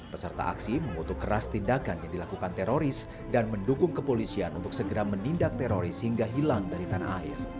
peserta aksi mengutuk keras tindakan yang dilakukan teroris dan mendukung kepolisian untuk segera menindak teroris hingga hilang dari tanah air